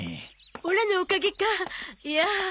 オラのおかげかいや。